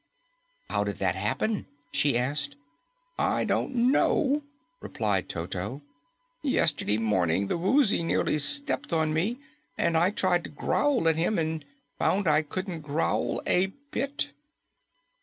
"How did that happen?" she asked. "I don't know," replied Toto. "Yesterday morning the Woozy nearly stepped on me, and I tried to growl at him and found I couldn't growl a bit."